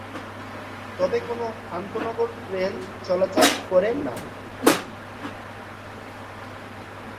তবে কোন আন্তঃনগর ট্রেন চলাচল করে না।